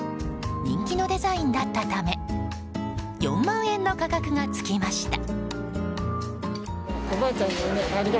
人気のデザインだったため４万円の価格がつきました。